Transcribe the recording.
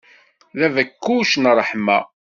D abekkuc n ṛṛeḥma.